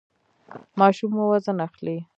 ماشوم مو وزن اخلي؟